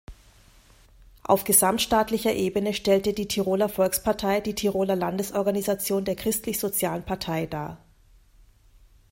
Auf gesamtstaatlicher Ebene stellte die Tiroler Volkspartei die Tiroler Landesorganisation der Christlichsozialen Partei dar.